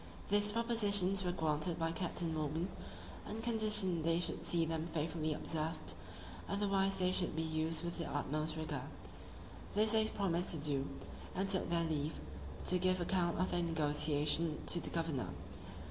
These propositions were granted by Captain Morgan, on condition they should see them faithfully observed; otherwise they should be used with the utmost rigour: this they promised to do, and took their leave, to give account of their negotiation to the governor.